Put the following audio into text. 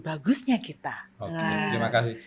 bagusnya kita oke terima kasih